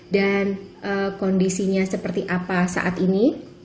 dan kondisinya seperti apa saat ini